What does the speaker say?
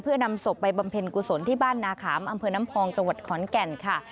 เพื่อนำศพไปบำเพ็ญกุศลที่บ้านนาขามอำเภอน้ำพองจังหวัดขอนแก่นค่ะ